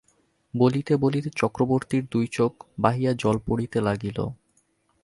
বলিতে বলিতে চক্রবর্তীর দুই চোখ বাহিয়া জল পড়িতে লাগিল।